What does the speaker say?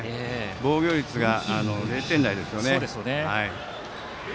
防御率が０点台ですからね。